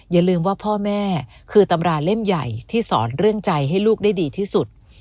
อย่าลืมว่าพ่อแม่คือตำราเล่มใหญ่ที่สอนเรื่องใจให้ลูกได้ดีที่สุด